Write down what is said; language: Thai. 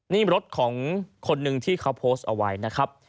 นี่รถของคนหนึ่งที่เขาโพสต์เอาไว้นะครับ